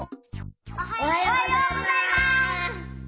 おはようございます！